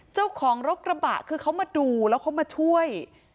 เจ้าของรถกระบะคือเขามาดูแล้วเขามาช่วย